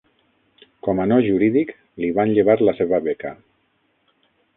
Com a no jurídic, li van llevar la seva beca.